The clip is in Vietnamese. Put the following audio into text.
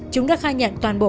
chúng đã khai nhận toàn bộ